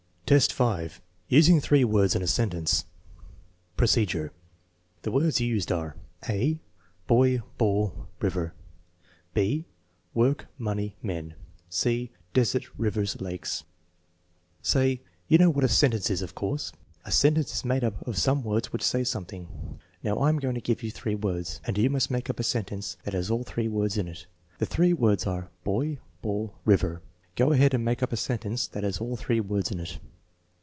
1 IX, 5. Using three words in a sentence Procedure. The words used are: (a) Boy, ball, river. (&) Work, money, men. (c) Dejprt, rivers, lakes. Say: " You know what a sentence is, of course. A sentence is made up of some words which say something. Now, I am going to give you three words, and you must make up a sen tence that has all three words in it. The three words are ( boy, 9 * ball, 9 * river. 9 Go ahead and make up a sentence that has all three words in it.